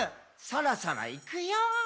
「そろそろいくよー」